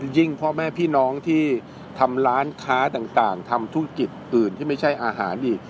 พ่อแม่พี่น้องที่ทำร้านค้าต่างทำธุรกิจอื่นที่ไม่ใช่อาหารอีก